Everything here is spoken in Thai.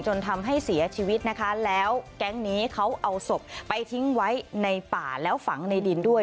จนทำให้เสียชีวิตนะคะแล้วแก๊งนี้เขาเอาศพไปทิ้งไว้ในป่าแล้วฝังในดินด้วย